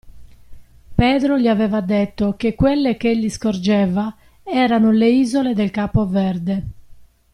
Pedro gli aveva detto che quelle ch'egli scorgeva erano le isole del Capo Verde.